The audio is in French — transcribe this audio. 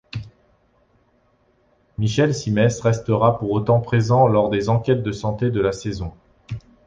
Michel Cymès restera pour autant présent lors des Enquêtes de santé de la saison.